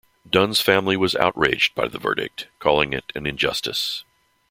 Dunne's family was outraged by the verdict, calling it an "injustice".